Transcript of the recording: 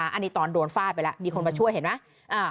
อันนี้ตอนโดนฟาดไปแล้วมีคนมาช่วยเห็นไหม